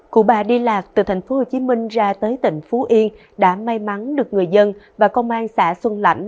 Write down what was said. cụ bà đi lạc từ tp hcm ra tới tỉnh phú yên đã may mắn được người dân và công an xã xuân lãnh